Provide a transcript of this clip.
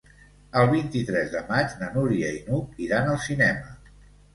El vint-i-tres de maig na Núria i n'Hug iran al cinema.